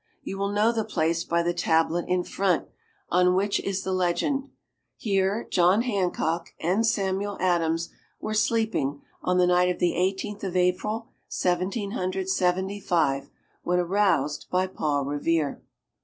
You will know the place by the tablet in front, on which is the legend: "Here John Hancock and Samuel Adams were sleeping on the night of the Eighteenth of April, Seventeen Hundred Seventy five, when aroused by Paul Revere."